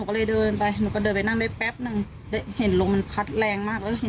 เขาก็เลยในใจแหละมันต้องมีอะไรแน่